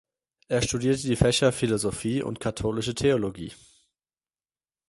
Er studierte die Fächer Philosophie und Katholische Theologie.